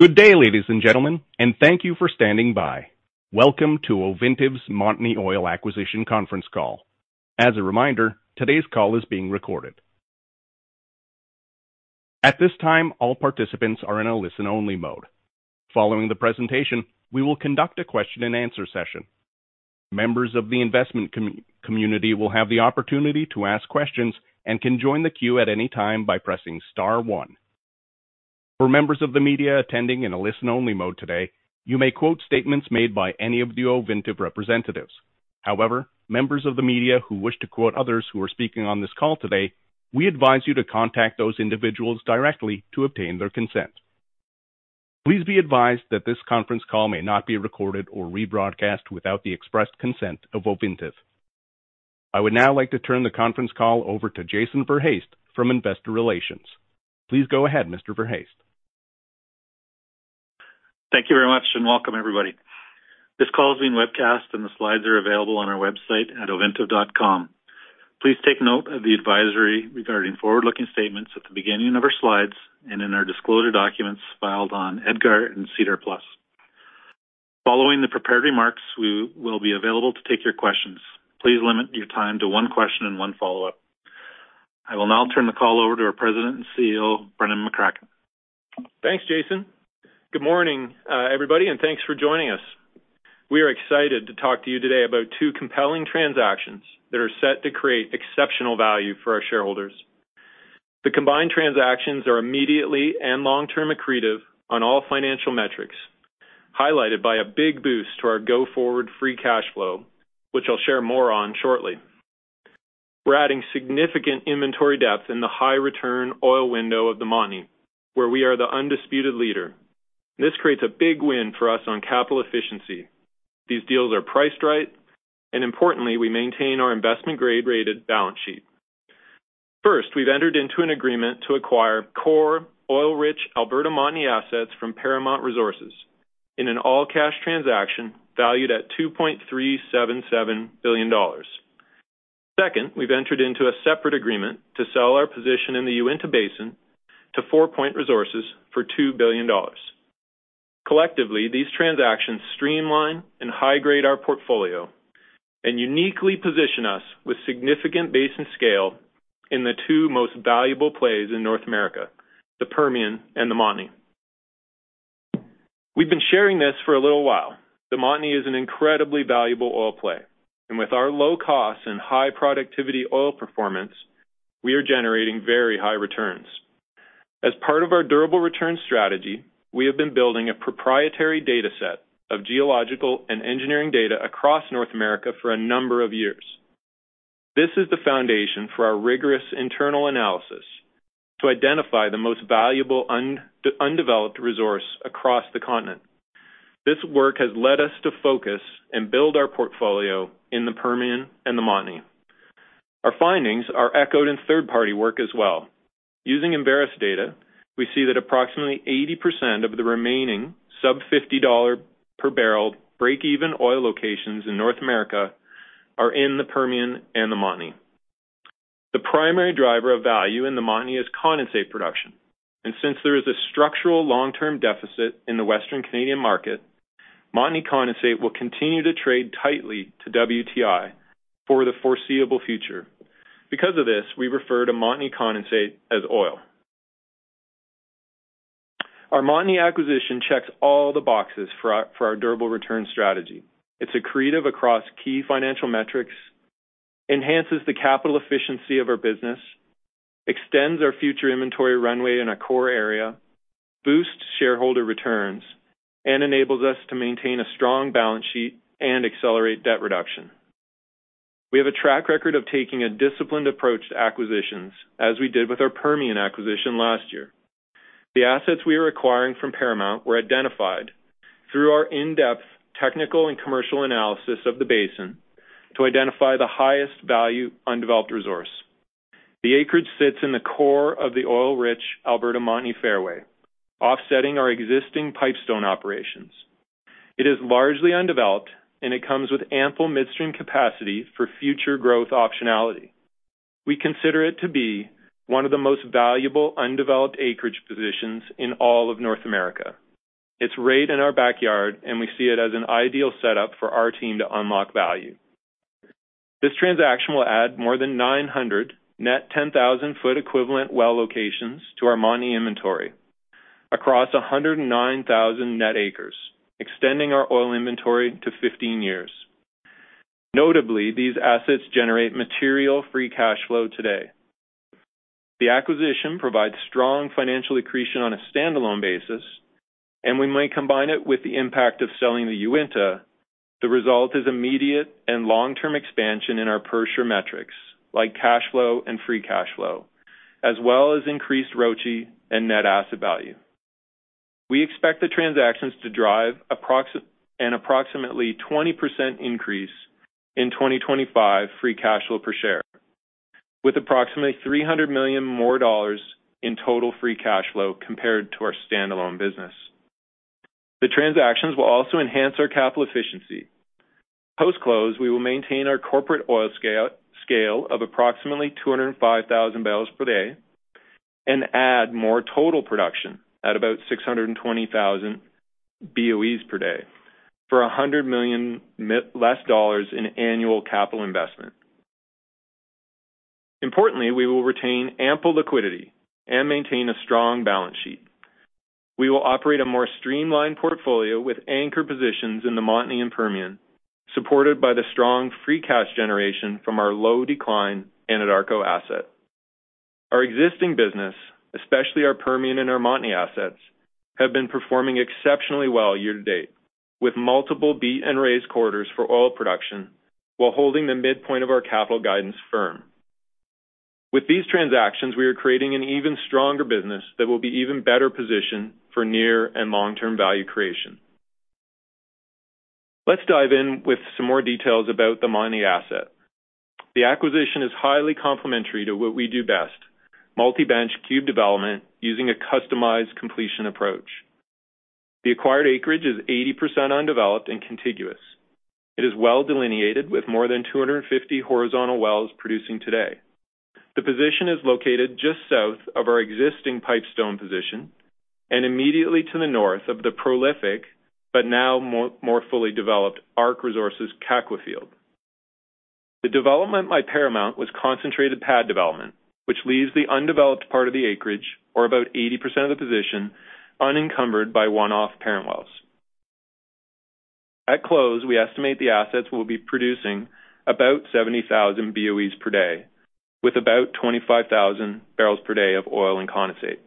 Good day, ladies and gentlemen, and thank you for standing by. Welcome to Ovintiv's Montney Oil Acquisition conference call. As a reminder, today's call is being recorded. At this time, all participants are in a listen-only mode. Following the presentation, we will conduct a question-and-answer session. Members of the investment community will have the opportunity to ask questions and can join the queue at any time by pressing star one. For members of the media attending in a listen-only mode today, you may quote statements made by any of the Ovintiv representatives. However, members of the media who wish to quote others who are speaking on this call today, we advise you to contact those individuals directly to obtain their consent. Please be advised that this conference call may not be recorded or rebroadcast without the expressed consent of Ovintiv. I would now like to turn the conference call over to Jason Verhaest from Investor Relations. Please go ahead, Mr. Verhaest. Thank you very much, and welcome everybody. This call is being webcast and the slides are available on our website at ovintiv.com. Please take note of the advisory regarding forward-looking statements at the beginning of our slides and in our disclosure documents filed on EDGAR and SEDAR+. Following the prepared remarks, we will be available to take your questions. Please limit your time to one question and one follow-up. I will now turn the call over to our President and CEO, Brendan McCracken. Thanks, Jason. Good morning, everybody, and thanks for joining us. We are excited to talk to you today about two compelling transactions that are set to create exceptional value for our shareholders. The combined transactions are immediately and long-term accretive on all financial metrics, highlighted by a big boost to our go-forward free cash flow, which I'll share more on shortly. We're adding significant inventory depth in the high return oil window of the Montney, where we are the undisputed leader. This creates a big win for us on capital efficiency. These deals are priced right, and importantly, we maintain our investment grade rated balance sheet. First, we've entered into an agreement to acquire core oil-rich Alberta Montney assets from Paramount Resources in an all-cash transaction valued at $2.377 billion. Second, we've entered into a separate agreement to sell our position in the Uinta Basin to FourPoint Resources for 2 billion dollars. Collectively, these transactions streamline and high-grade our portfolio and uniquely position us with significant basin scale in the two most valuable plays in North America, the Permian and the Montney. We've been sharing this for a little while. The Montney is an incredibly valuable oil play, and with our low cost and high productivity oil performance, we are generating very high returns. As part of our durable return strategy, we have been building a proprietary data set of geological and engineering data across North America for a number of years. This is the foundation for our rigorous internal analysis to identify the most valuable undeveloped resource across the continent. This work has led us to focus and build our portfolio in the Permian and the Montney. Our findings are echoed in third-party work as well. Using Enverus data, we see that approximately 80% of the remaining sub 50 dollar per barrel break-even oil locations in North America are in the Permian and the Montney. The primary driver of value in the Montney is condensate production. Since there is a structural long-term deficit in the Western Canadian market, Montney condensate will continue to trade tightly to WTI for the foreseeable future. Because of this, we refer to Montney condensate as oil. Our Montney acquisition checks all the boxes for our durable return strategy. It's accretive across key financial metrics, enhances the capital efficiency of our business, extends our future inventory runway in a core area, boosts shareholder returns, enables us to maintain a strong balance sheet and accelerate debt reduction. We have a track record of taking a disciplined approach to acquisitions, as we did with our Permian acquisition last year. The assets we are acquiring from Paramount were identified through our in-depth technical and commercial analysis of the basin to identify the highest value undeveloped resource. The acreage sits in the core of the oil-rich Alberta-Montney fairway, offsetting our existing Pipestone operations. It is largely undeveloped, and it comes with ample midstream capacity for future growth optionality. We consider it to be one of the most valuable undeveloped acreage positions in all of North America. It's right in our backyard, and we see it as an ideal setup for our team to unlock value. This transaction will add more than 900 net 10,000 foot equivalent well locations to our Montney inventory across 109,000 net acres, extending our oil inventory to 15 years. Notably, these assets generate material free cash flow today. The acquisition provides strong financial accretion on a standalone basis, and when we combine it with the impact of selling the Uinta, the result is immediate and long-term expansion in our per-share metrics, like cash flow and free cash flow, as well as increased ROIC and net asset value. We expect the transactions to drive an approximately 20% increase in 2025 free cash flow per share, with approximately 300 million dollars more in total free cash flow compared to our standalone business. The transactions will also enhance our capital efficiency. Post-close, we will maintain our corporate oil scale of approximately 205,000 barrels per day and add more total production at about 620,000 BOEs per day for 100 million dollars less in annual capital investment. Importantly, we will retain ample liquidity and maintain a strong balance sheet. We will operate a more streamlined portfolio with anchor positions in the Montney and Permian, supported by the strong free cash generation from our low decline Anadarko asset. Our existing business, especially our Permian and our Montney assets, have been performing exceptionally well year to date, with multiple beat and raise quarters for oil production while holding the midpoint of our capital guidance firm. These transactions, we are creating an even stronger business that will be even better positioned for near and long-term value creation. Let's dive in with some more details about the Montney asset. The acquisition is highly complementary to what we do best, multi-bench cube development using a customized completion approach. The acquired acreage is 80% undeveloped and contiguous. It is well delineated with more than 250 horizontal wells producing today. The position is located just south of our existing Pipestone position and immediately to the north of the prolific, but now more fully developed ARC Resources Kakwa field. The development by Paramount was concentrated pad development, which leaves the undeveloped part of the acreage, or about 80% of the position, unencumbered by one-off parent wells. At close, we estimate the assets will be producing about 70,000 BOEs per day, with about 25,000 barrels per day of oil and condensate,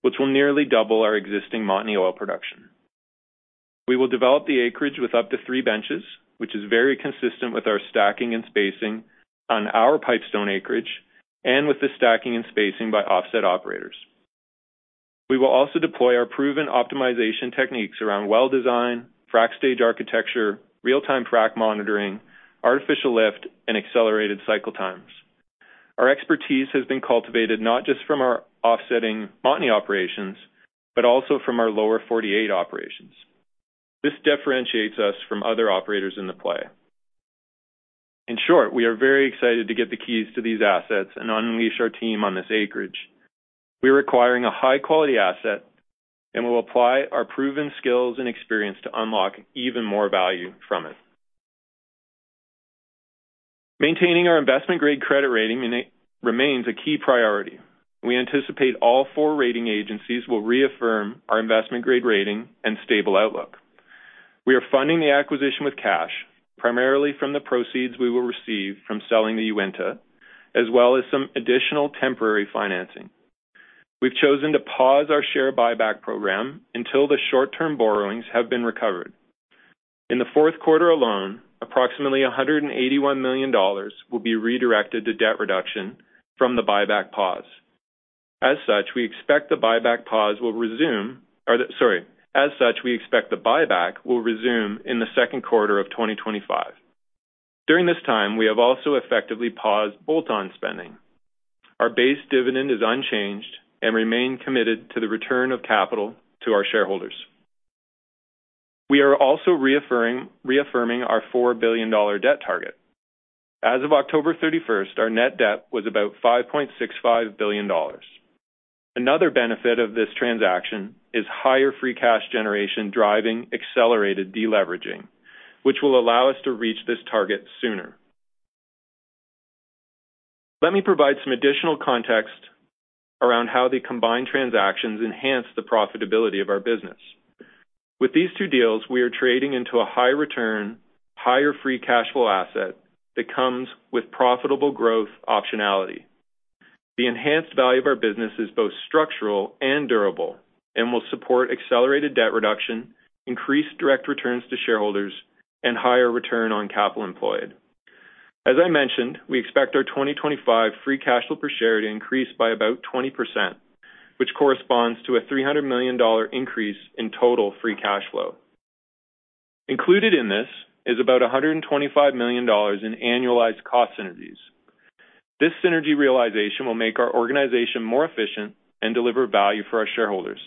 which will nearly double our existing Montney oil production. We will develop the acreage with up to three benches, which is very consistent with our stacking and spacing on our Pipestone acreage and with the stacking and spacing by offset operators. We will also deploy our proven optimization techniques around well design, frac stage architecture, real-time frac monitoring, artificial lift, and accelerated cycle times. Our expertise has been cultivated not just from our offsetting Montney operations, but also from our lower 48 operations. This differentiates us from other operators in the play. In short, we are very excited to get the keys to these assets and unleash our team on this acreage. We're acquiring a high-quality asset, and we'll apply our proven skills and experience to unlock even more value from it. Maintaining our investment-grade credit rating remains a key priority. We anticipate all four rating agencies will reaffirm our investment-grade rating and stable outlook. We are funding the acquisition with cash, primarily from the proceeds we will receive from selling the Uinta, as well as some additional temporary financing. We've chosen to pause our share buyback program until the short-term borrowings have been recovered. In the fourth quarter alone, approximately 181 million dollars will be redirected to debt reduction from the buyback pause. As such, we expect the buyback pause will resume. As such, we expect the buyback will resume in the second quarter of 2025. During this time, we have also effectively paused bolt-on spending. Our base dividend is unchanged and remain committed to the return of capital to our shareholders. We are also reaffirming our 4 billion dollar debt target. As of October 31st, our net debt was about 5.65 billion dollars. Another benefit of this transaction is higher free cash generation driving accelerated deleveraging, which will allow us to reach this target sooner. Let me provide some additional context around how the combined transactions enhance the profitability of our business. With these two deals, we are trading into a high return, higher free cash flow asset that comes with profitable growth optionality. The enhanced value of our business is both structural and durable and will support accelerated debt reduction, increased direct returns to shareholders, and higher return on capital employed. As I mentioned, we expect our 2025 free cash flow per share to increase by about 20%, which corresponds to a 300 million dollar increase in total free cash flow. Included in this is about a 125 million dollars in annualized cost synergies. This synergy realization will make our organization more efficient and deliver value for our shareholders.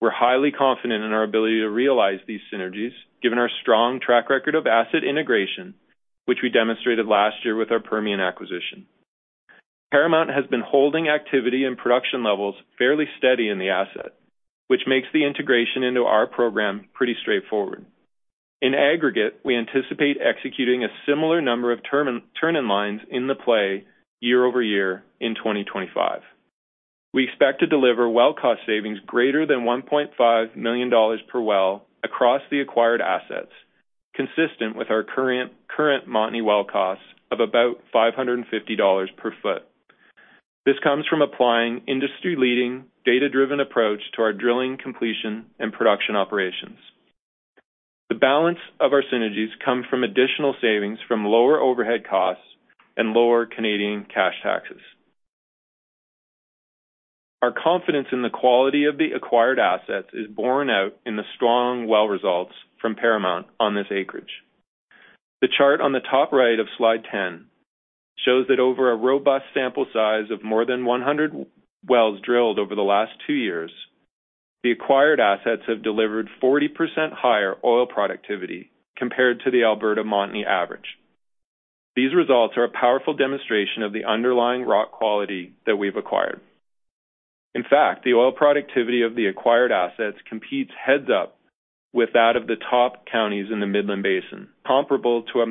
We're highly confident in our ability to realize these synergies, given our strong track record of asset integration, which we demonstrated last year with our Permian acquisition. Paramount has been holding activity and production levels fairly steady in the asset, which makes the integration into our program pretty straightforward. In aggregate, we anticipate executing a similar number of turn-in-lines in the play year-over-year in 2025. We expect to deliver well cost savings greater than 1.5 million dollars per well across the acquired assets, consistent with our current Montney well costs of about 550 dollars per foot. This comes from applying industry-leading, data-driven approach to our drilling completion and production operations. The balance of our synergies come from additional savings from lower overhead costs and lower Canadian cash taxes. Our confidence in the quality of the acquired assets is borne out in the strong well results from Paramount on this acreage. The chart on the top right of slide 10 shows that over a robust sample size of more than 100 wells drilled over the last 2 years, the acquired assets have delivered 40% higher oil productivity compared to the Alberta Montney average. These results are a powerful demonstration of the underlying rock quality that we've acquired. In fact, the oil productivity of the acquired assets competes heads up with that of the top counties in the Midland Basin, comparable to a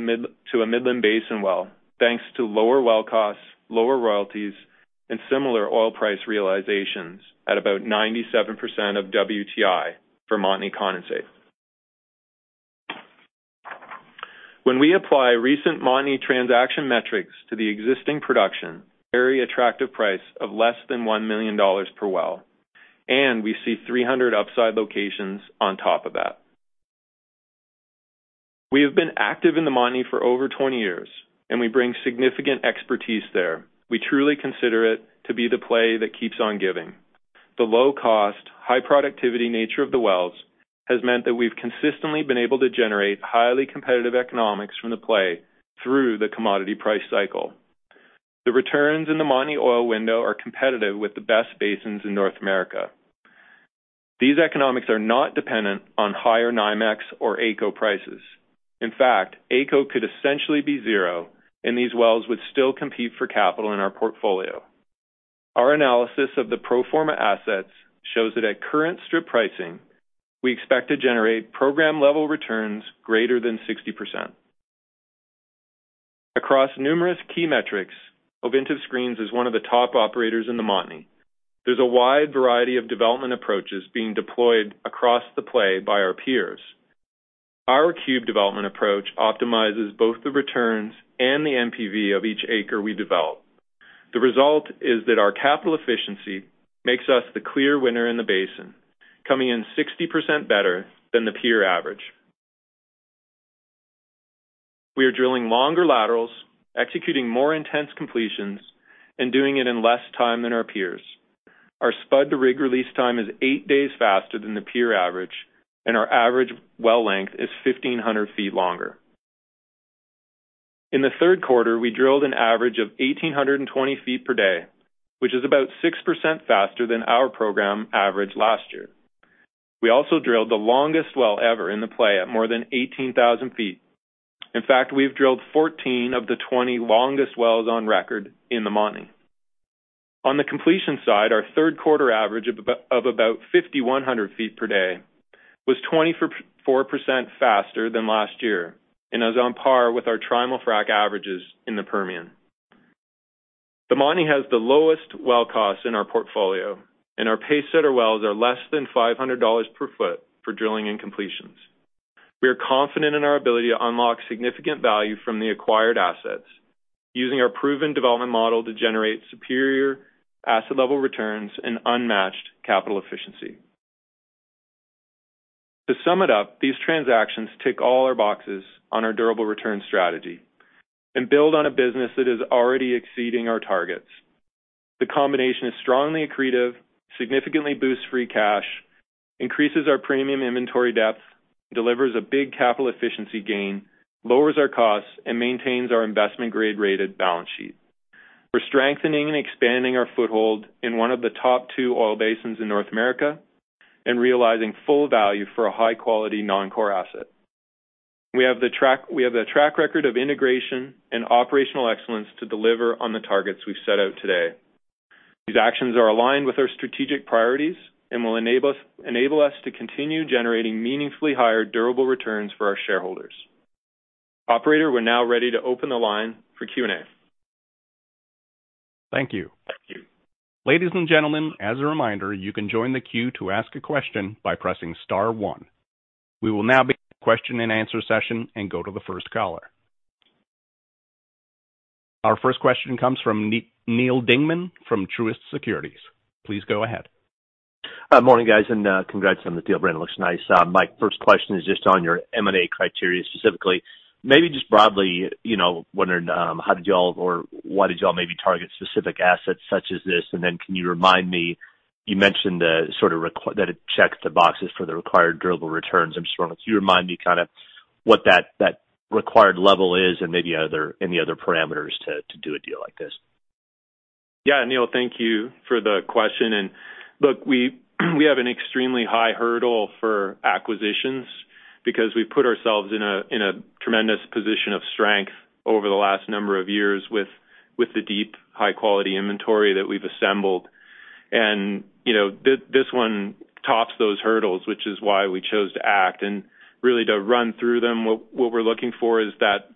Midland Basin well, thanks to lower well costs, lower royalties, and similar oil price realizations at about 97% of WTI for Montney condensate. When we apply recent Montney transaction metrics to the existing production, very attractive price of less than 1 million dollars per well, and we see 300 upside locations on top of that. We have been active in the Montney for over 20 years, and we bring significant expertise there. We truly consider it to be the play that keeps on giving. The low cost, high productivity nature of the wells has meant that we've consistently been able to generate highly competitive economics from the play through the commodity price cycle. The returns in the Montney Oil Window are competitive with the best basins in North America. These economics are not dependent on higher NYMEX or AECO prices. In fact, AECO could essentially be zero, and these wells would still compete for capital in our portfolio. Our analysis of the pro forma assets shows that at current strip pricing, we expect to generate program-level returns greater than 60%. Across numerous key metrics, Ovintiv screens is one of the top operators in the Montney. There's a wide variety of development approaches being deployed across the play by our peers. Our cube development approach optimizes both the returns and the NPV of each acre we develop. The result is that our capital efficiency makes us the clear winner in the basin, coming in 60% better than the peer average. We are drilling longer laterals, executing more intense completions, and doing it in less time than our peers. Our spud to rig release time is 8 days faster than the peer average, and our average well length is 1,500 feet longer. In the 3rd quarter, we drilled an average of 1,820 feet per day, which is about 6% faster than our program average last year. We also drilled the longest well ever in the play at more than 18,000 feet. In fact, we've drilled 14 of the 20 longest wells on record in the Montney. On the completion side, our 3rd quarter average of about 5,100 feet per day was 24% faster than last year and is on par with our trimul-frac averages in the Permian. The Montney has the lowest well cost in our portfolio, and our pacesetter wells are less than 500 dollars per foot for drilling and completions. We are confident in our ability to unlock significant value from the acquired assets using our proven development model to generate superior asset level returns and unmatched capital efficiency. To sum it up, these transactions tick all our boxes on our durable return strategy and build on a business that is already exceeding our targets. The combination is strongly accretive, significantly boosts free cash, increases our premium inventory depth, delivers a big capital efficiency gain, lowers our costs, and maintains our investment grade-rated balance sheet. We're strengthening and expanding our foothold in one of the top two oil basins in North America and realizing full value for a high-quality non-core asset. We have the track record of integration and operational excellence to deliver on the targets we've set out today. These actions are aligned with our strategic priorities and will enable us to continue generating meaningfully higher durable returns for our shareholders. Operator, we're now ready to open the line for Q&A. Thank you. Thank you. Ladies and gentlemen, as a reminder, you can join the queue to ask a question by pressing star one. We will now begin a question and answer session and go to the first caller. Our first question comes from Neal Dingmann from Truist Securities. Please go ahead. Morning, guys, congrats on the deal, Brendan. It looks nice. My first question is just on your M&A criteria, specifically. Maybe just broadly, you know, wondering, how did you all or why did you all maybe target specific assets such as this? Can you remind me, you mentioned the sort of that it checks the boxes for the required durable returns. I'm just wondering if you remind me kind of what that required level is and maybe other, any other parameters to do a deal like this. Yeah, Neal, thank you for the question. Look, we have an extremely high hurdle for acquisitions because we put ourselves in a tremendous position of strength over the last number of years with the deep, high quality inventory that we've assembled. You know, this one tops those hurdles, which is why we chose to act. Really to run through them, what we're looking for is that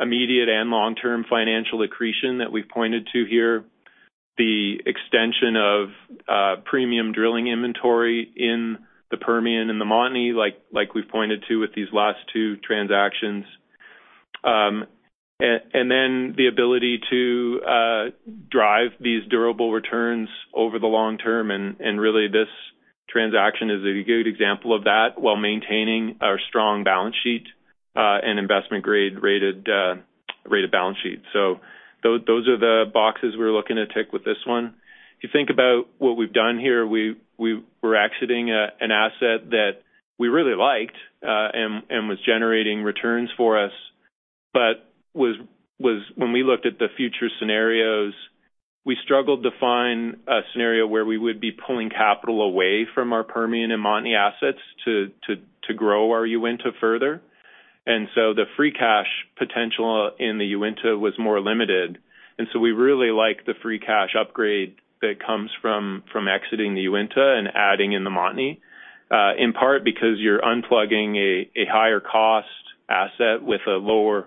immediate and long-term financial accretion that we pointed to here, the extension of premium drilling inventory in the Permian and the Montney, like we've pointed to with these last two transactions. Then the ability to drive these durable returns over the long term, and really this transaction is a good example of that, while maintaining our strong balance sheet and investment grade-rated balance sheet. Those are the boxes we're looking to tick with this one. If you think about what we've done here, we're exiting an asset that we really liked and was generating returns for us, but when we looked at the future scenarios, we struggled to find a scenario where we would be pulling capital away from our Permian and Montney assets to grow our Uinta further. The free cash potential in the Uinta was more limited. We really like the free cash upgrade that comes from exiting the Uinta and adding in the Montney in part because you're unplugging a higher cost asset with a lower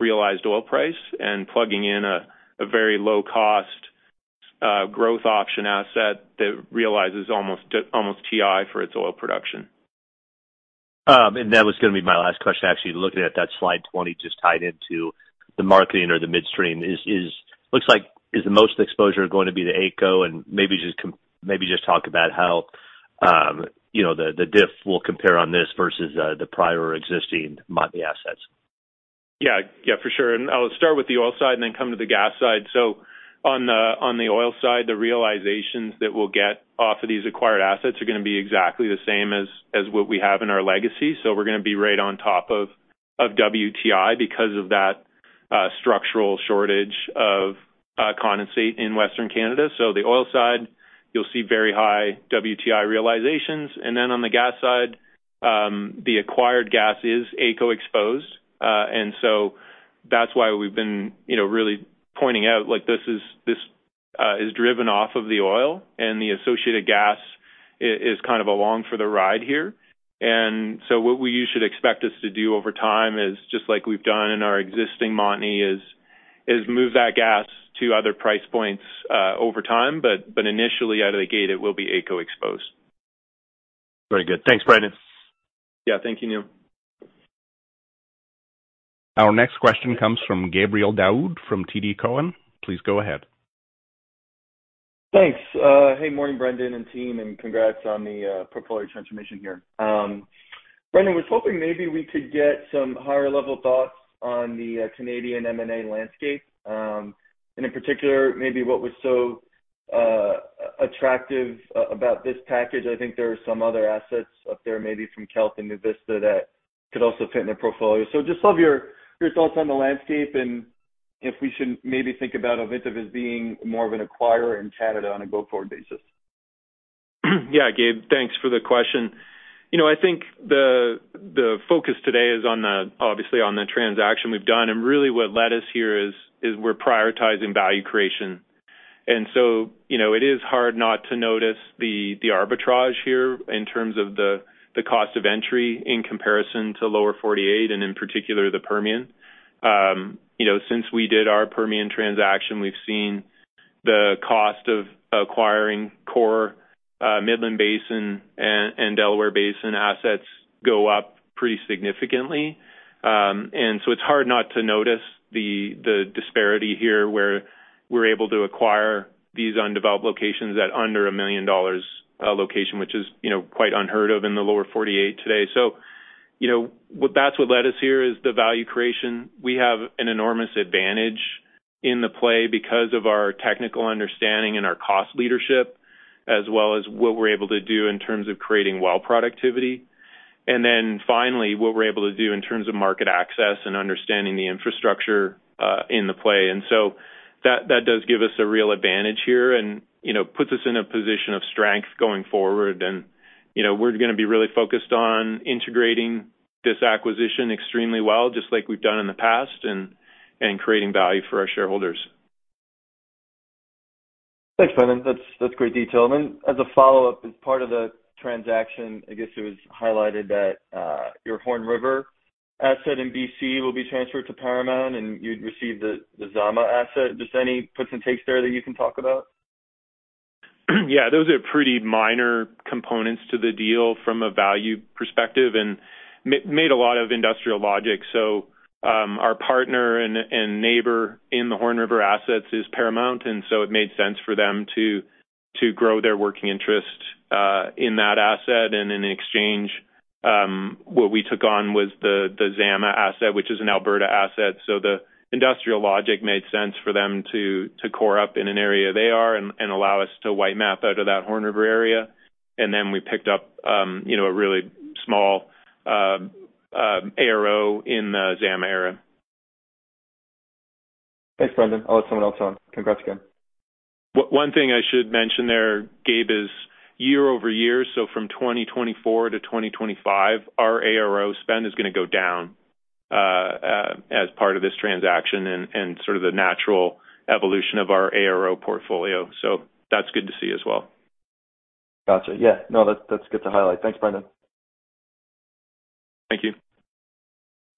realized oil price and plugging in a very low cost growth option asset that realizes almost WTI for its oil production. That was gonna be my last question. Actually, looking at that slide 20 just tied into the marketing or the midstream. Looks like is the most exposure going to be the AECO, and maybe just talk about how, you know, the diff will compare on this versus the prior existing Montney assets? Yeah. Yeah, for sure. I'll start with the oil side and then come to the gas side. On the oil side, the realizations that we'll get off of these acquired assets are going to be exactly the same as what we have in our legacy. We're going to be right on top of WTI because of that structural shortage of condensate in Western Canada. The oil side, you'll see very high WTI realizations. On the gas side, the acquired gas is AECO exposed. That's why we've been, you know, really pointing out like this is, this is driven off of the oil, and the associated gas is kind of along for the ride here. What you should expect us to do over time is just like we've done in our existing Montney, is move that gas to other price points over time. Initially out of the gate, it will be AECO exposed. Very good. Thanks, Brendan. Yeah. Thank you, Neal. Our next question comes from Gabe Daoud from TD Cowen. Please go ahead. Thanks. Morning Brendan and team, congrats on the portfolio transformation here. Brendan, was hoping maybe we could get some higher level thoughts on the Canadian M&A landscape, in particular, maybe what was so attractive about this package. I think there are some other assets up there, maybe from Kelt Exploration and NuVista that could also fit in the portfolio. Just love your thoughts on the landscape and if we should maybe think about Ovintiv as being more of an acquirer in Canada on a go-forward basis. Yeah, Gabe, thanks for the question. You know, I think the focus today is obviously on the transaction we've done and really what led us here is we're prioritizing value creation. You know, it is hard not to notice the arbitrage here in terms of the cost of entry in comparison to Lower 48 and in particular, the Permian. You know, since we did our Permian transaction, we've seen the cost of acquiring core Midland Basin and Delaware Basin assets go up pretty significantly. It's hard not to notice the disparity here, where we're able to acquire these undeveloped locations at under $1 million location, which is, you know, quite unheard of in the Lower 48 today. You know, that's what led us here is the value creation. We have an enormous advantage in the play because of our technical understanding and our cost leadership, as well as what we're able to do in terms of creating well productivity. Finally, what we're able to do in terms of market access and understanding the infrastructure in the play. That does give us a real advantage here and, you know, puts us in a position of strength going forward. You know, we're gonna be really focused on integrating this acquisition extremely well, just like we've done in the past, and creating value for our shareholders. Thanks, Brendan. That's great detail. Then as a follow-up, as part of the transaction, I guess it was highlighted that your Horn River asset in B.C. will be transferred to Paramount, and you'd receive the Zama asset. Just any puts and takes there that you can talk about? Yeah. Those are pretty minor components to the deal from a value perspective and made a lot of industrial logic. Our partner and neighbor in the Horn River assets is Paramount, and it made sense for them to grow their working interest in that asset. In exchange, what we took on was the Zama asset, which is an Alberta asset. The industrial logic made sense for them to core up in an area they are and allow us to white map out of that Horn River area. We picked up a really small ARO in the Zama area. Thanks, Brendan. I'll let someone else on. Congrats again. One thing I should mention there, Gabe, is year-over-year, so from 2024 to 2025, our ARO spend is gonna go down as part of this transaction and sort of the natural evolution of our ARO portfolio. That's good to see as well. Gotcha. Yeah, no, that's good to highlight. Thanks, Brendan. Thank you.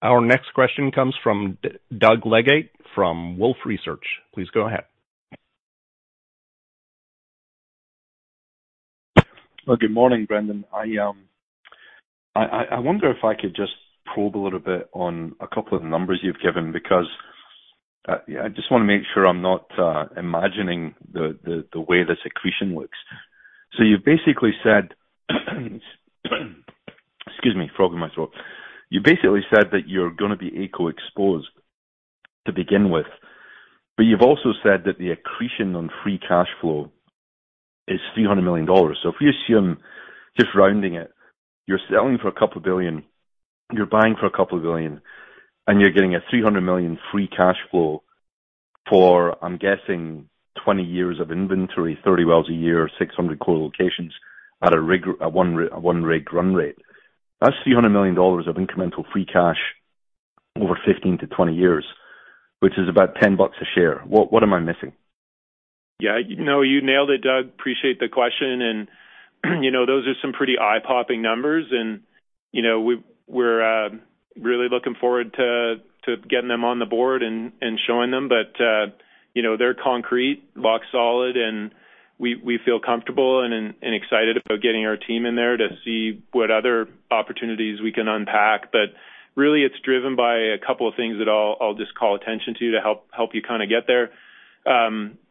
Our next question comes from Doug Leggate from Wolfe Research. Please go ahead. Good morning, Brendan. I wonder if I could just probe a little bit on a couple of numbers you've given because, yeah, I just wanna make sure I'm not imagining the, the way the secretion works. You've basically said. Excuse me, frog in my throat. You basically said that you're gonna be AECO exposed to begin with. You've also said that the accretion on free cash flow is 300 million dollars. If we assume just rounding it, you're selling for a couple billion, you're buying for a couple billion, and you're getting a 300 million free cash flow for, I'm guessing, 20 years of inventory, 30 wells a year, 600 core locations at a rig, a 1 rig run rate. That's 300 million dollars of incremental free cash over 15-20 years, which is about 10 bucks a share. What am I missing? Yeah, you know, you nailed it, Doug. Appreciate the question. You know, those are some pretty eye-popping numbers. You know, we're really looking forward to getting them on the board and showing them. You know, they're concrete, rock solid, and we feel comfortable and excited about getting our team in there to see what other opportunities we can unpack. Really, it's driven by a couple of things that I'll just call attention to to help you kinda get there.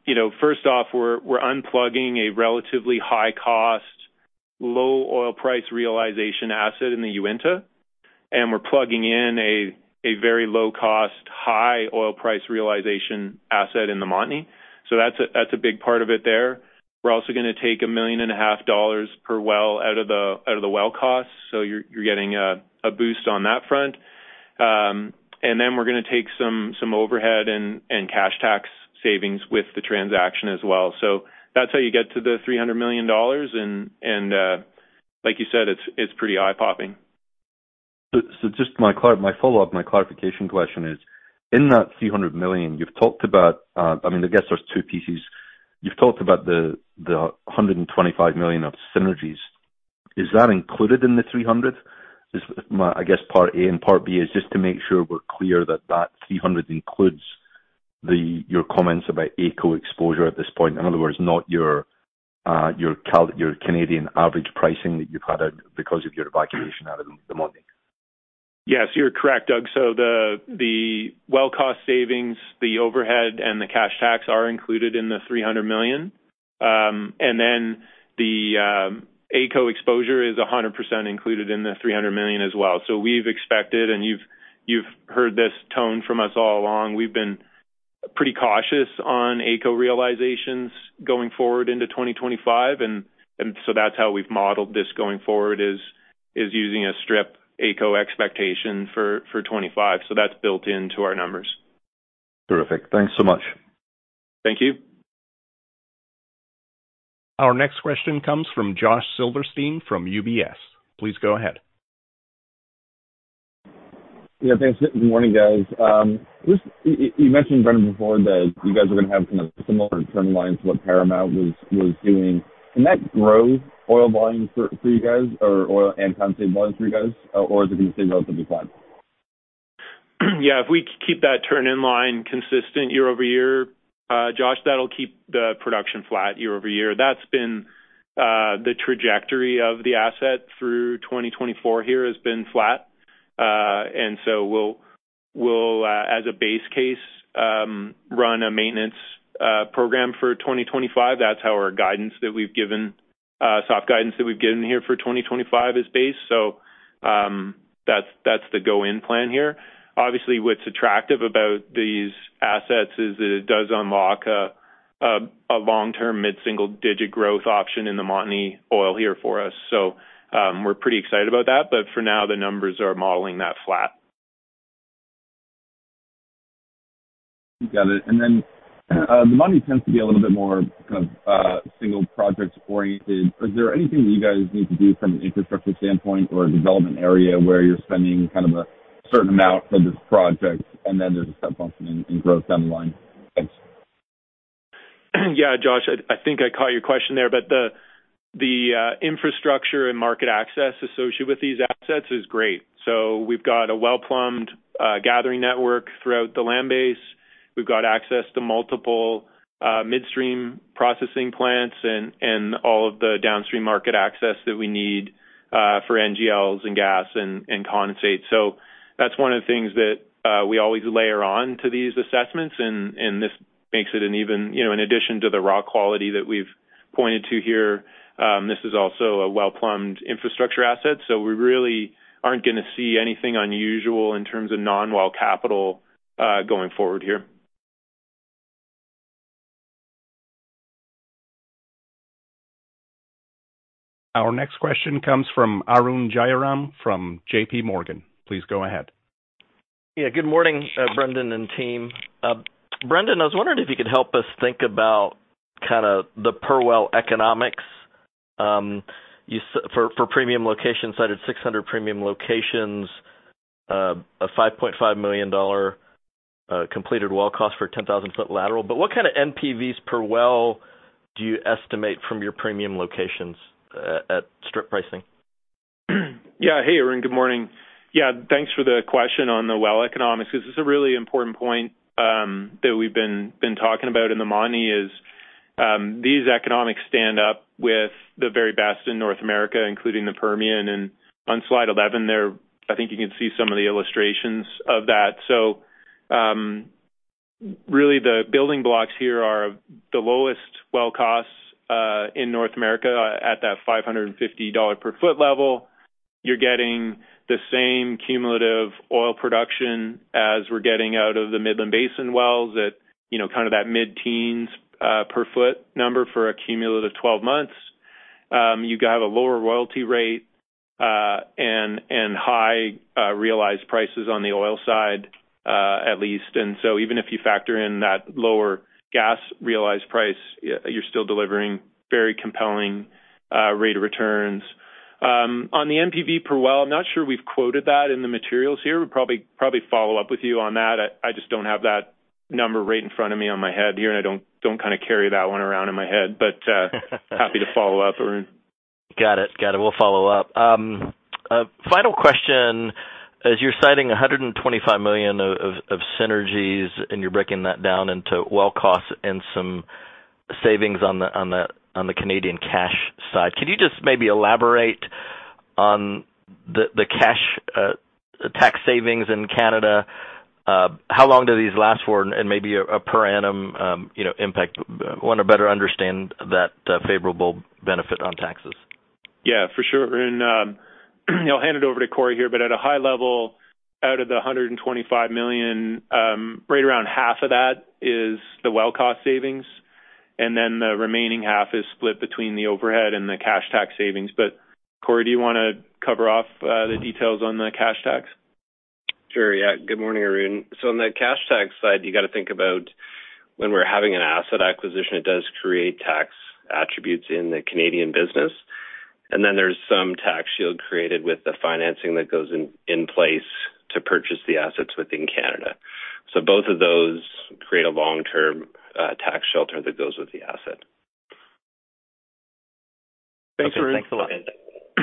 You know, first off, we're unplugging a relatively high cost, low oil price realization asset in the Uinta, and we're plugging in a very low cost, high oil price realization asset in the Montney. That's a big part of it there. We're also gonna take a million and a half dollars per well out of the well costs. You're getting a boost on that front. Then we're gonna take some overhead and cash tax savings with the transaction as well. That's how you get to the 300 million dollars. Like you said, it's pretty eye-popping. Just my follow-up, my clarification question is, in that 300 million you've talked about, I mean, I guess there's two pieces. You've talked about the 125 million of synergies. Is that included in the 300? I guess part A and part B is just to make sure we're clear that that 300 includes your comments about AECO exposure at this point. In other words, not your Canadian average pricing that you've had because of your evacuation out of the Montney. Yes, you're correct, Doug. The well cost savings, the overhead, and the cash tax are included in the 300 million. The AECO exposure is 100% included in the 300 million as well. We've expected, and you've heard this tone from us all along, we've been pretty cautious on AECO realizations going forward into 2025. That's how we've modeled this going forward, is using a strip AECO expectation for 25. That's built into our numbers. Terrific. Thanks so much. Thank you. Our next question comes from Josh Silverstein from UBS. Please go ahead. Yeah, thanks. Good morning, guys. Just you mentioned, Brendan, before that you guys are gonna have kind of similar turn lines to what Paramount was doing. Can that grow oil volume for you guys or oil and condensate volume for you guys, or does it stay relatively flat? Yeah, if we keep that turn in line consistent year over year, Josh, that'll keep the production flat year over year. That's been the trajectory of the asset through 2024 here has been flat. We'll as a base case run a maintenance program for 2025. That's how our guidance that we've given, soft guidance that we've given here for 2025 is based. That's the go-in plan here. Obviously, what's attractive about these assets is that it does unlock a long-term mid-single digit growth option in the Montney oil here for us. We're pretty excited about that. For now, the numbers are modeling that flat. Got it. The money tends to be a little bit more kind of single projects oriented. Is there anything that you guys need to do from an infrastructure standpoint or a development area where you're spending kind of a certain amount for this project and then there's a step function in growth down the line? Thanks. Josh, I think I caught your question there, the infrastructure and market access associated with these assets is great. We've got a well-plumbed gathering network throughout the land base. We've got access to multiple midstream processing plants and all of the downstream market access that we need for NGLs and gas and condensate. That's one of the things that we always layer on to these assessments. This makes it an even, you know, in addition to the raw quality that we've pointed to here, this is also a well-plumbed infrastructure asset. We really aren't gonna see anything unusual in terms of non-well capital going forward here. Our next question comes from Arun Jayaram from JPMorgan. Please go ahead. Yeah. Good morning, Brendan and team. Brendan, I was wondering if you could help us think about kinda the per well economics. For premium locations, cited 600 premium locations, a 5.5 million dollar completed well cost for a 10,000-foot lateral. What kind of NPVs per well do you estimate from your premium locations at strip pricing? Yeah. Hey, Arun, good morning. Yeah, thanks for the question on the well economics, because this is a really important point that we've been talking about in the Montney is these economics stand up with the very best in North America, including the Permian. On slide 11 there, I think you can see some of the illustrations of that. Really the building blocks here are the lowest well costs in North America at that 550 dollar per foot level, you're getting the same cumulative oil production as we're getting out of the Midland Basin wells at, you know, kind of that mid-teens per foot number for a cumulative 12 months. You have a lower royalty rate and high realized prices on the oil side, at least. Even if you factor in that lower gas realized price, you're still delivering very compelling rate of returns. On the NPV per well, I'm not sure we've quoted that in the materials here. We'll probably follow up with you on that. I just don't have that number right in front of me on my head here, and I don't kind of carry that one around in my head. Happy to follow up, Arun. Got it. Got it. We'll follow up. Final question. As you're citing 125 million of synergies, and you're breaking that down into well costs and some savings on the Canadian cash side, can you just maybe elaborate on the cash tax savings in Canada? How long do these last for? Maybe a per annum, you know, impact. Wanna better understand that favorable benefit on taxes. Yeah, for sure, Arun. I'll hand it over to Corey here, but at a high level, out of the 125 million, right around half of that is the well cost savings, and then the remaining half is split between the overhead and the cash tax savings. Corey, do you wanna cover off the details on the cash tax? Sure, yeah. Good morning, Arun. On the cash tax side, you gotta think about when we're having an asset acquisition, it does create tax attributes in the Canadian business. Then there's some tax shield created with the financing that goes in place to purchase the assets within Canada. Both of those create a long-term tax shelter that goes with the asset. Thanks, Arun. Okay, thanks a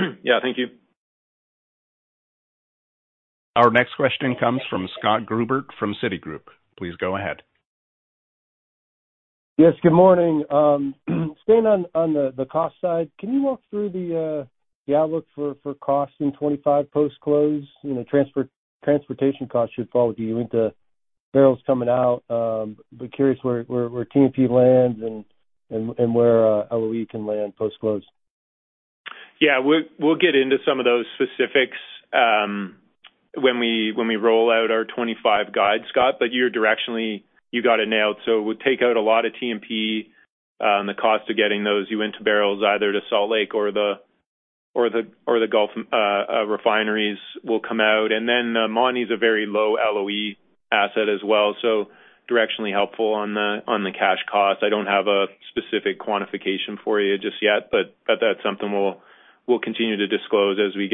lot. Yeah, thank you. Our next question comes from Scott Gruber from Citigroup. Please go ahead. Yes, good morning. Staying on the cost side, can you walk through the outlook for costs in 2025 post-close? You know, transportation costs should fall with Uinta barrels coming out. But curious where TMP lands and where LOE can land post-close. We'll get into some of those specifics when we roll out our 2025 guide, Scott, you got it nailed. It would take out a lot of TMP, the cost of getting those Uinta barrels, either to Salt Lake or the Gulf refineries will come out. Montney's a very low LOE asset as well, so directionally helpful on the cash cost. I don't have a specific quantification for you just yet, but that's something we'll continue to disclose as we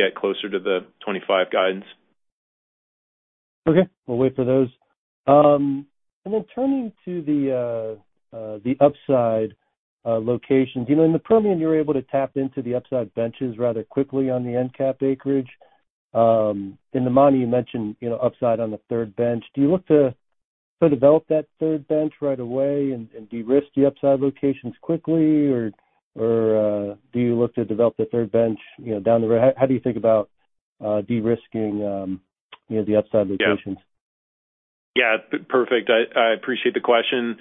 get closer to the 2025 guidance. Okay. We'll wait for those. Turning to the upside locations. You know, in the Permian, you were able to tap into the upside benches rather quickly on the EnCap acreage. In the Montney, you mentioned, you know, upside on the third bench. Do you look to develop that third bench right away and de-risk the upside locations quickly? Or do you look to develop the third bench, you know, down the road? How do you think about de-risking, you know, the upside locations? Yeah. Yeah, perfect. I appreciate the question.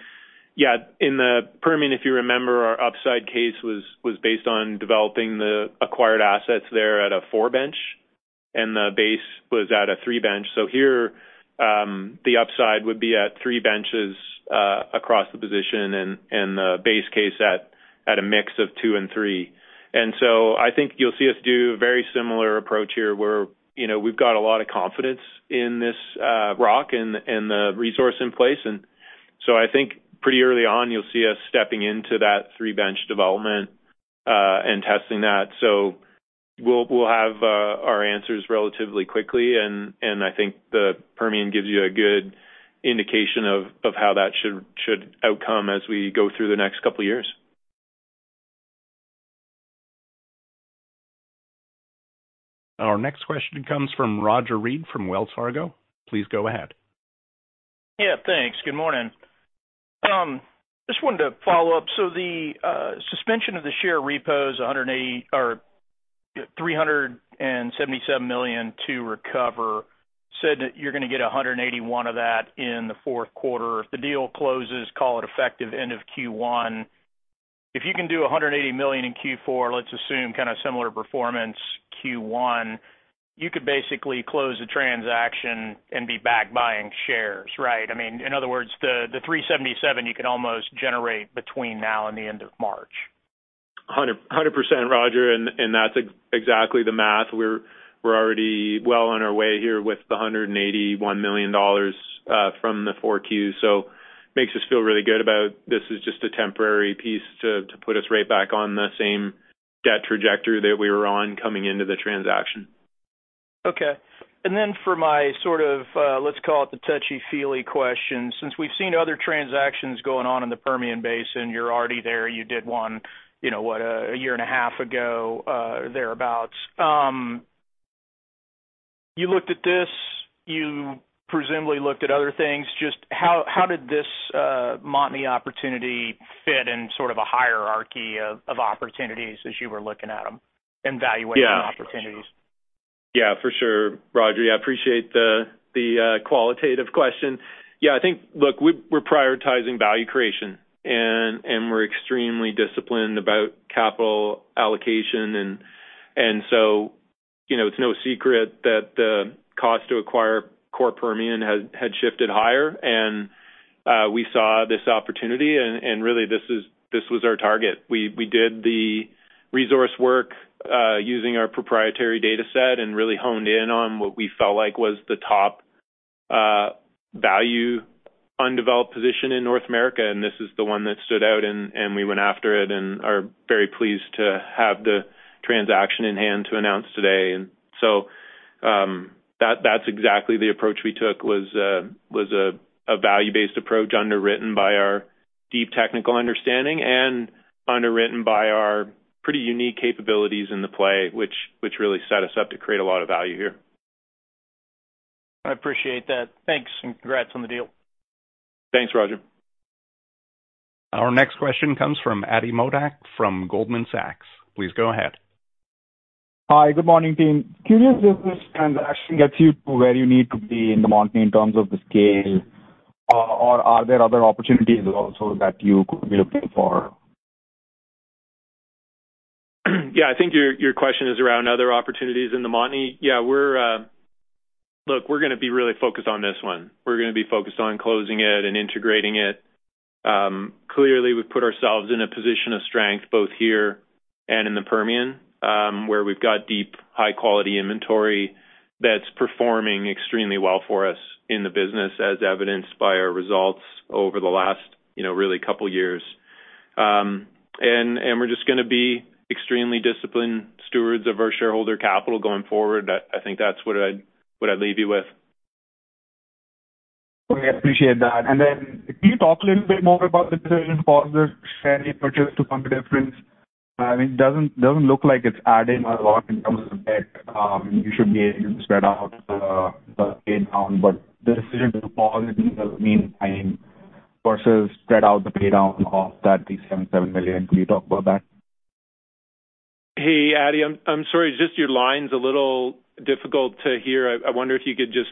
In the Permian, if you remember, our upside case was based on developing the acquired assets there at a 4-bench, and the base was at a 3-bench. Here, the upside would be at 3 benches across the position and the base case at a mix of 2 and 3. I think you'll see us do a very similar approach here where, you know, we've got a lot of confidence in this rock and the resource in place. I think pretty early on, you'll see us stepping into that 3-bench development and testing that. We'll have our answers relatively quickly and I think the Permian gives you a good indication of how that should outcome as we go through the next couple years. Our next question comes from Roger Read from Wells Fargo. Please go ahead. Yeah, thanks. Good morning. Just wanted to follow up. The suspension of the share repos, 377 million to recover said that you're going to get 181 of that in the fourth quarter. If the deal closes, call it effective end of Q1. If you can do 180 million in Q4, let's assume kind of similar performance Q1, you could basically close the transaction and be back buying shares, right? I mean, in other words, the 377 you can almost generate between now and the end of March. Hundred percent, Roger, that's exactly the math. We're already well on our way here with the 181 million dollars from the 4 Qs. makes us feel really good about this is just a temporary piece to put us right back on the same debt trajectory that we were on coming into the transaction. Okay. For my sort of, let's call it the touchy-feely question, since we've seen other transactions going on in the Permian Basin, you're already there. You did one, you know, what, a year and a half ago, thereabouts. You looked at this, you presumably looked at other things. Just how did this Montney opportunity fit in sort of a hierarchy of opportunities as you were looking at them and evaluating opportunities? Yeah, for sure. Roger, I appreciate the qualitative question. Look, we're prioritizing value creation and we're extremely disciplined about capital allocation and, you know, it's no secret that the cost to acquire core Permian had shifted higher and we saw this opportunity and really this was our target. We did the resource work using our proprietary data set and really honed in on what we felt like was the top value undeveloped position in North America, and this is the one that stood out and we went after it and are very pleased to have the transaction in hand to announce today. That's exactly the approach we took was a value-based approach underwritten by our deep technical understanding and underwritten by our pretty unique capabilities in the play, which really set us up to create a lot of value here. I appreciate that. Thanks. Congrats on the deal. Thanks, Roger. Our next question comes from Atidrip Modak from Goldman Sachs. Please go ahead. Hi, good morning, team. Curious if this transaction gets you to where you need to be in the Montney in terms of the scale, or are there other opportunities also that you could be looking for? Yeah, I think your question is around other opportunities in the Montney. Yeah, we're Look, we're gonna be really focused on this one. We're gonna be focused on closing it and integrating it. Clearly, we've put ourselves in a position of strength, both here and in the Permian, where we've got deep, high quality inventory that's performing extremely well for us in the business, as evidenced by our results over the last, you know, really couple years. We're just gonna be extremely disciplined stewards of our shareholder capital going forward. I think that's what I'd leave you with. Okay. Appreciate that. Then can you talk a little bit more about the decision to pause the share repurchase to fund the difference? I mean, it doesn't look like it's adding a lot in terms of debt. You should be able to spread out the pay down, but the decision to pause it in the meantime versus spread out the pay down of that 377 million. Can you talk about that? Hey, Adit, I'm sorry. Just your line's a little difficult to hear. I wonder if you could just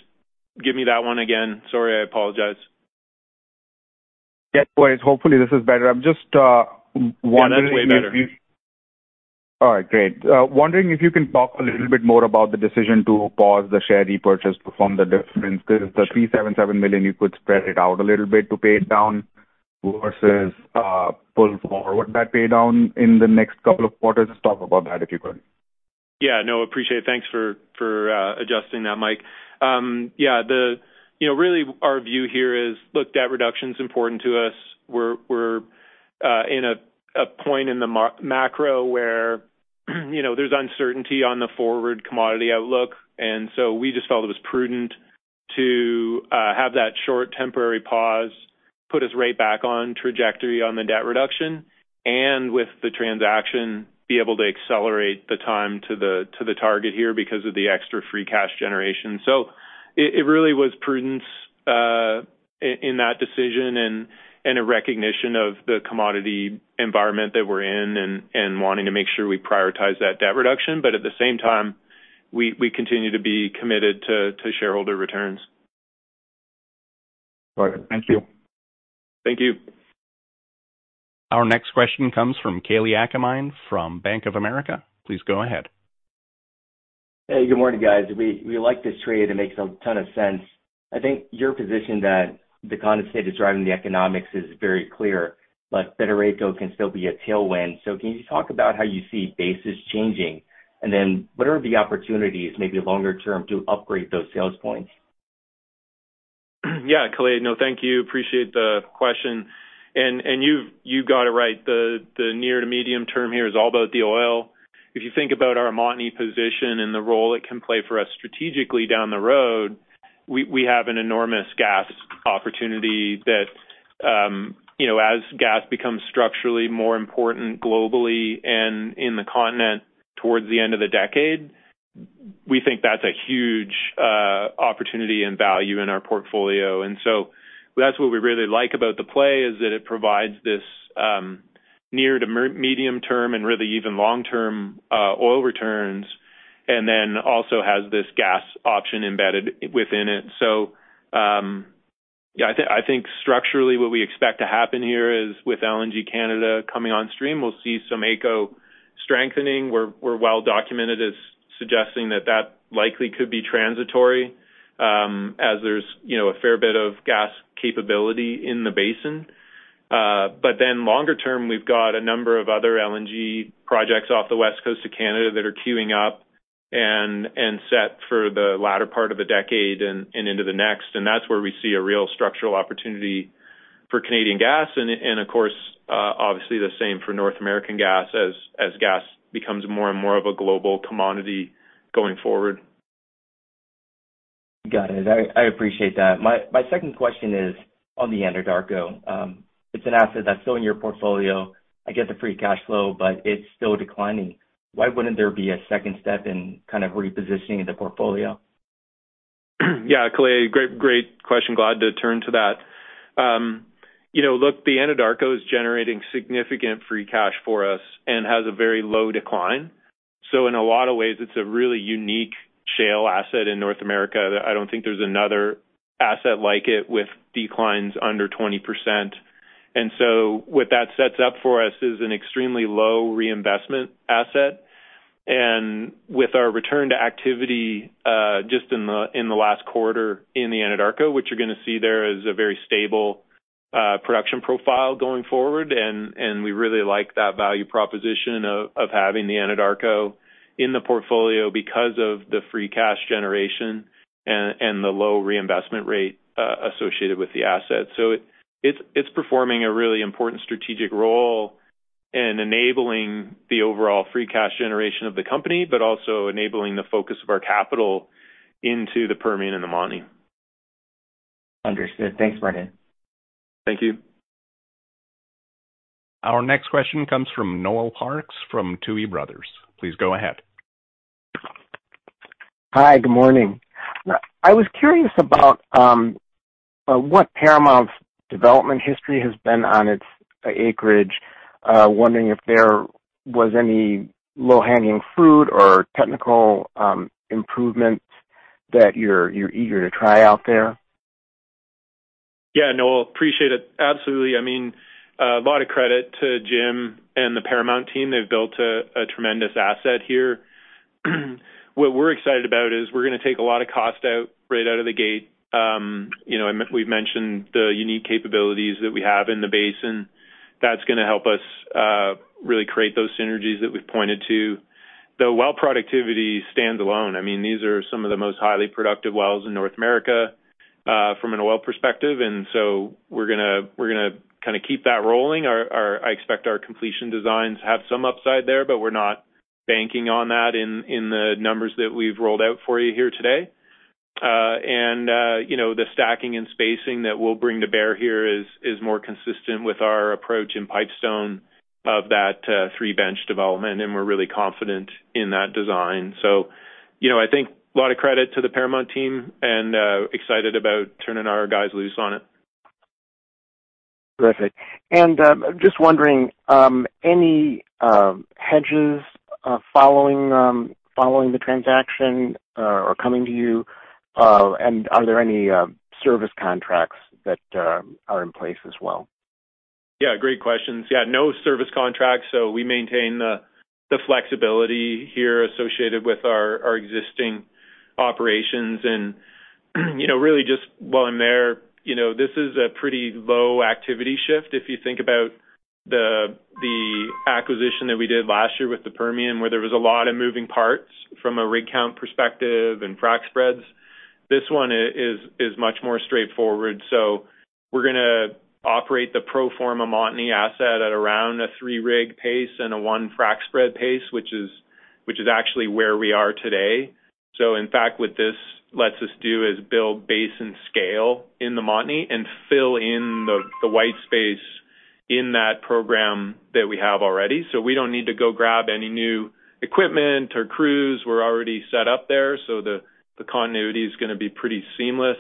give me that one again. Sorry, I apologize. Yeah. No worries. Hopefully, this is better. I'm just wondering. Yeah, that's way better. All right, great. Wondering if you can talk a little bit more about the decision to pause the share repurchase to fund the difference. There is the 377 million, you could spread it out a little bit to pay it down versus pull forward that pay down in the next couple of quarters. Just talk about that, if you could. Yeah, no, appreciate it. Thanks for adjusting that mic. Yeah, you know, really our view here is, look, debt reduction's important to us. We're in a point in the macro where, you know, there's uncertainty on the forward commodity outlook. So we just felt it was prudent to have that short temporary pause, put us right back on trajectory on the debt reduction, and with the transaction, be able to accelerate the time to the target here because of the extra free cash generation. So it really was prudence in that decision and a recognition of the commodity environment that we're in and wanting to make sure we prioritize that debt reduction. At the same time, we continue to be committed to shareholder returns. Got it. Thank you. Thank you. Our next question comes from Kalei Akamine from Bank of America. Please go ahead. Hey, good morning, guys. We like this trade. It makes a ton of sense. I think your position that the condensate is driving the economics is very clear. Better AECO can still be a tailwind. Can you talk about how you see basis changing? What are the opportunities, maybe longer term, to upgrade those sales points? Yeah, Kalei. No, thank you. Appreciate the question. You've got it right. The near to medium term here is all about the oil. If you think about our Montney position and the role it can play for us strategically down the road, we have an enormous gas opportunity that, you know, as gas becomes structurally more important globally and in the continent towards the end of the decade, we think that's a huge opportunity and value in our portfolio. That's what we really like about the play, is that it provides this near to medium term and really even long-term oil returns, and then also has this gas option embedded within it. I think structurally what we expect to happen here is with LNG Canada coming on stream, we'll see some AECO strengthening. We're well documented as suggesting that that likely could be transitory, as there's, you know, a fair bit of gas capability in the basin. Longer term, we've got a number of other LNG projects off the West Coast of Canada that are queuing up and set for the latter part of the decade and into the next. That's where we see a real structural opportunity for Canadian gas and of course, obviously the same for North American gas as gas becomes more and more of a global commodity going forward. Got it. I appreciate that. My second question is on the Anadarko. It's an asset that's still in your portfolio. I get the free cash flow, but it's still declining. Why wouldn't there be a second step in kind of repositioning the portfolio? Yeah, Kalei, great question. Glad to turn to that. You know, look, the Anadarko is generating significant free cash for us and has a very low decline. In a lot of ways, it's a really unique shale asset in North America. I don't think there's another asset like it with declines under 20%. What that sets up for us is an extremely low reinvestment asset. With our return to activity, just in the last quarter in the Anadarko, what you're gonna see there is a very stable production profile going forward, and we really like that value proposition of having the Anadarko in the portfolio because of the free cash generation and the low reinvestment rate associated with the asset. It's performing a really important strategic role in enabling the overall free cash generation of the company, but also enabling the focus of our capital into the Permian and the Montney. Understood. Thanks, Brendan. Thank you. Our next question comes from Noel Parks from Tuohy Brothers. Please go ahead. Hi, good morning. I was curious about what Paramount's development history has been on its acreage. Wondering if there was any low-hanging fruit or technical improvements that you're eager to try out there. Yeah, Noel, appreciate it. Absolutely. I mean, a lot of credit to Jim and the Paramount team. They've built a tremendous asset here. What we're excited about is we're gonna take a lot of cost out right out of the gate. You know, we've mentioned the unique capabilities that we have in the basin. That's gonna help us really create those synergies that we've pointed to. The well productivity stands alone. I mean, these are some of the most highly productive wells in North America from an oil perspective. So we're gonna kinda keep that rolling. I expect our completion designs have some upside there, but we're not banking on that in the numbers that we've rolled out for you here today. You know, the stacking and spacing that we'll bring to bear here is more consistent with our approach in Pipestone of that 3-bench development, and we're really confident in that design. You know, I think a lot of credit to the Paramount team and excited about turning our guys loose on it. Terrific. Just wondering, any hedges, following the transaction, are coming to you? Are there any service contracts that are in place as well? Great questions. No service contracts, so we maintain the flexibility here associated with our existing operations. You know, really just while I'm there, you know, this is a pretty low activity shift. If you think about the acquisition that we did last year with the Permian, where there was a lot of moving parts from a rig count perspective and frac spreads, this one is much more straightforward. We're going to operate the pro forma Montney asset at around a 3-rig pace and a 1 frac spread pace, which is actually where we are today. In fact, what this lets us do is build basin scale in the Montney and fill in the white space in that program that we have already. We don't need to go grab any new equipment or crews. We are already set up there, so the continuity is going to be pretty seamless.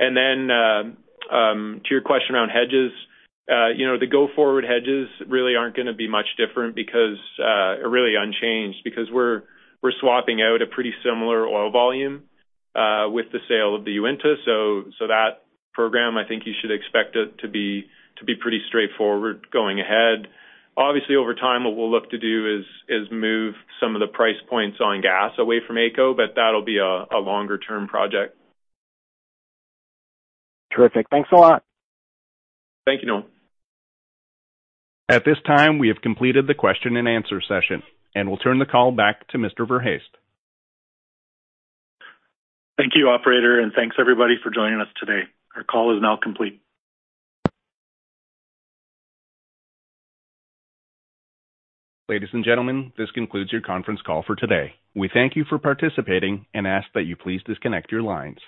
To your question around hedges, you know, the go-forward hedges really are not going to be much different, are really unchanged because we are swapping out a pretty similar oil volume with the sale of the Uinta. That program, I think you should expect it to be pretty straightforward going ahead. Obviously, over time, what we will look to do is move some of the price points on gas away from AECO, but that will be a longer-term project. Terrific. Thanks a lot. Thank you, Noel. At this time, we have completed the question and answer session, and we'll turn the call back to Mr. Verhaest. Thank you, operator, and thanks everybody for joining us today. Our call is now complete. Ladies and gentlemen, this concludes your conference call for today. We thank you for participating and ask that you please disconnect your lines.